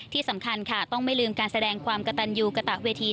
ที่สำคัญค่ะต้องไม่ลืมการแสดงความกระตันยูกระตะเวที